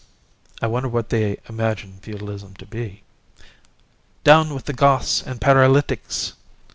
(I wonder what they imagine feudalism to be?) 'Down with the Goths and Paralytics.